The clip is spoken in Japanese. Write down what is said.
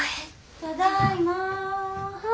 ただいま。